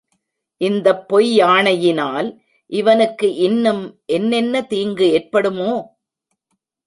இந்தப் பொய்யாணையினால் இவனுக்கு இன்னும் என்ன என்ன தீங்கு ஏற்படுமோ?